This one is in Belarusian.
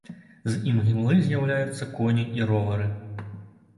З імглы з'яўляюцца коні і ровары.